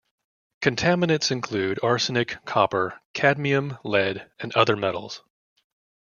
Contaminants included arsenic, copper, cadmium, lead and other metals.